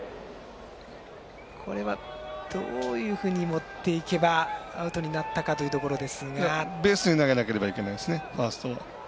これは、どういうふうに持っていけばアウトになったかベースに投げなければいけないですねファーストは。